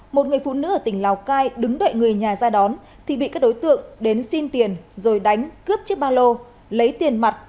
một người phụ nữ ở tỉnh lào cai đứng đợi người nhà ra đón thì bị các đối tượng đến xin tiền rồi đánh cướp chiếc ba lô lấy tiền mặt